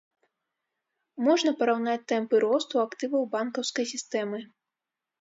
Можна параўнаць тэмпы росту актываў банкаўскай сістэмы.